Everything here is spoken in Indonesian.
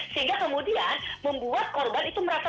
sehingga kemudian membuat korban itu merasa